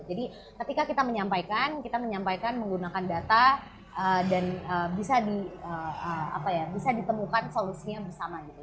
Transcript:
jadi ketika kita menyampaikan kita menyampaikan menggunakan data dan bisa ditemukan solusinya bersama gitu